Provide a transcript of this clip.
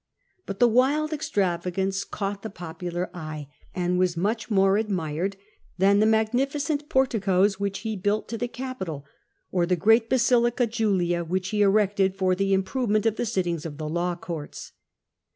But the wild extravagance caught the popular eye, and was much more admired than the magnificent porticos which he built to the Capitol, or the great Basilica Julia which he erected for the improvement of the sittings of the law courts.